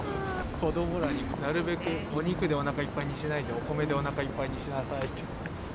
子どもらになるべくお肉でおなかいっぱいにしないで、お米でおなかいっぱいにしなさいって。